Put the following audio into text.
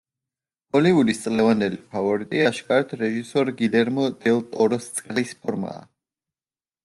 ჰოლივუდის წლევანდელი ფავორიტი აშკარად რეჟისორ გილერმო დელ ტოროს „წყლის ფორმაა“.